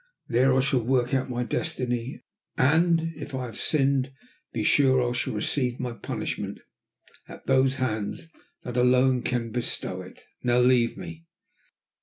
There I shall work out my Destiny, and, if I have sinned, be sure I shall receive my punishment at those hands that alone can bestow it. Now leave me!"